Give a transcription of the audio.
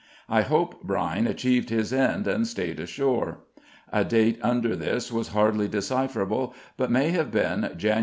I hope Brine achieved his end and stayed ashore. A date under this was hardly decipherable but may have been Jan.